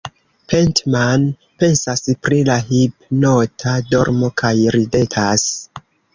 Pentman pensas pri la hipnota dormo kaj ridetas.